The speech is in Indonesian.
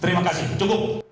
terima kasih cukup